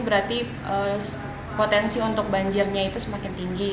berarti potensi untuk banjirnya itu semakin tinggi